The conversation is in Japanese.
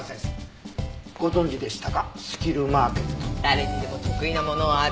誰にでも得意なものはある。